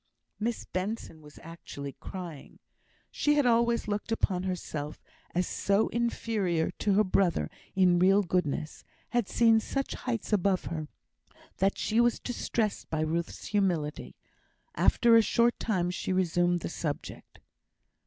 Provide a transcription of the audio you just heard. Miss Benson was actually crying. She had always looked upon herself as so inferior to her brother in real goodness; had seen such heights above her, that she was distressed by Ruth's humility. After a short time she resumed the subject.